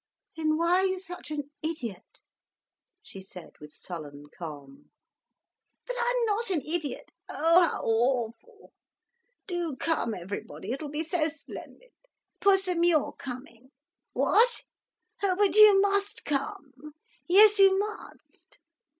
"Then why are you such an idiot?" she said with sullen calm. "But I'm not an idiot! Oh, how awful! Do come, everybody, it will be so splendid. Pussum, you are coming. What? Oh but you must come, yes, you must.